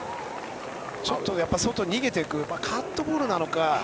ちょっと外に逃げていくカットボールなのか。